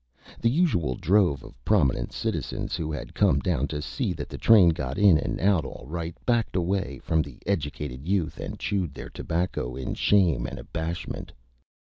The usual Drove of Prominent Citizens who had come down to see that the Train got in and out all right backed away from the Educated Youth and Chewed their Tobacco in Shame and Abashment.